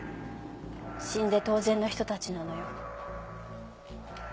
死んで当然の人たちなのよ。